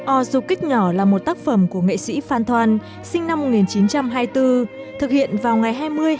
o dù kích nhỏ là một tác phẩm của nghệ sĩ phan thoan sinh năm một nghìn chín trăm hai mươi bốn thực hiện vào ngày hai mươi hai mươi một chín một nghìn chín trăm sáu mươi năm